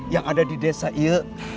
yang ada di desa il